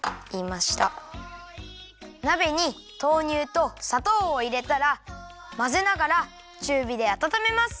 なべに豆乳とさとうをいれたらまぜながらちゅうびであたためます。